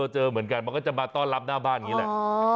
เจอเหมือนกันมันก็จะมาต้อนรับหน้าบ้านอย่างนี้แหละ